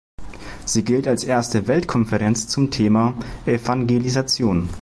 Sie gilt als erste Weltkonferenz zum Thema "Evangelisation".